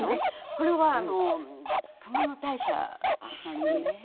これは熊野大社さんに。